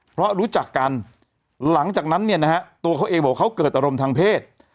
เพราะรู้จักกันหลังจากนั้นเนี่ยนะฮะตัวเขาเองบอกเขาเกิดอารมณ์ทางเพศ